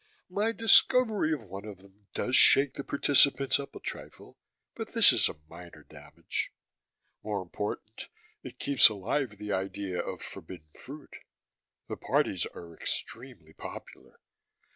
My 'discovery' of one of them does shake the participants up a trifle, but this is a minor damage: more important, it keeps alive the idea of 'forbidden fruit'. The parties are extremely popular.